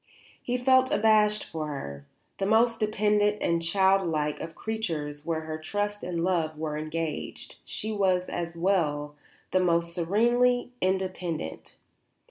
He felt abashed before her. The most dependent and child like of creatures where her trust and love were engaged, she was, as well, the most serenely independent.